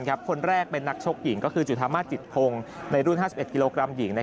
คนแรกเป็นนักชกหญิงก็คือจุธามาสจิตพงศ์ในรุ่น๕๑กิโลกรัมหญิง